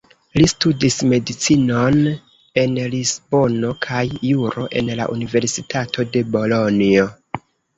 Li studis medicinon en Lisbono kaj juro en la Universitato de Bolonjo.